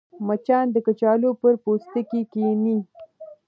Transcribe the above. مچان د کچالو پر پوستکي کښېني